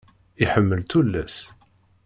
Iḥemmel tullas.